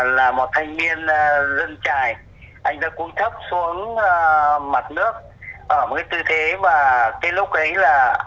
là một thanh niên dân trại anh đã cúc thấp xuống mặt nước ở mấy tư thế và sinh lúc ấy là khiictoc v failing